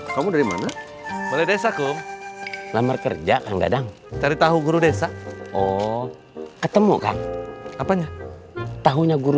sampai jumpa di video selanjutnya